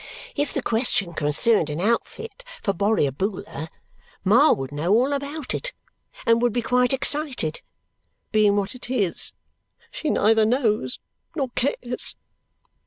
If the question concerned an outfit for Borrioboola, Ma would know all about it and would be quite excited. Being what it is, she neither knows nor cares."